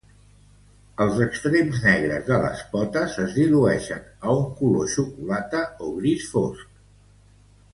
Els extrems negres de les potes es dilueixen a un color xocolata o gris fosc.